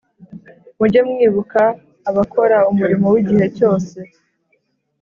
Mujye mwibuka abakora umurimo w’igihe cyose